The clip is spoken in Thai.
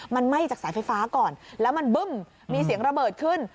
มันไหม้จากสายไฟฟ้าก่อนแล้วมันบึ้มมีเสียงระเบิดขึ้น